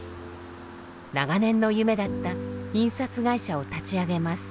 長年の夢だった印刷会社を立ち上げます。